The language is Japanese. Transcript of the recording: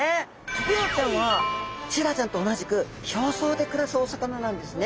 トビウオちゃんはシイラちゃんと同じく表層で暮らすお魚なんですね。